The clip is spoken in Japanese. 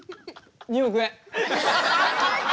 ２億円。